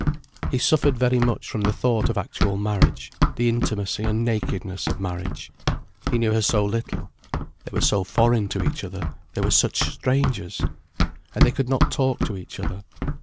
He suffered very much from the thought of actual marriage, the intimacy and nakedness of marriage. He knew her so little. They were so foreign to each other, they were such strangers. And they could not talk to each other.